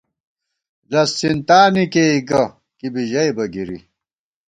لز څِنتانےکېئی گہ، کی بی ژَئیبہ گِرِی